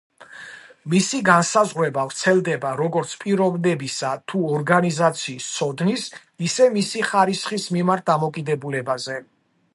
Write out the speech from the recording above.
მისი განსაზღვრება ვრცელდება როგორც პიროვნებისა თუ ორგანიზაციის ცოდნის ისე მისი ხარისხის მიმართ დამოკიდებულებაზე.